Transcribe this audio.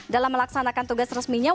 dalam melaksanakan tugas resminya